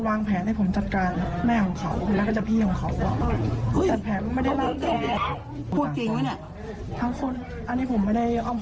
วางแผนทำไงลูก